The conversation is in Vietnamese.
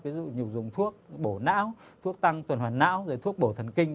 ví dụ như dùng thuốc bổ não thuốc tăng tuần hoàn não rồi thuốc bổ thần kinh